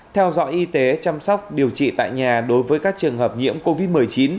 theo dõi y tế chăm sóc điều trị tại nhà đối với các trường hợp nhiễm covid một mươi chín